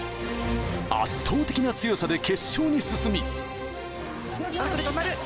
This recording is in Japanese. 圧倒的な強さで決勝に進み。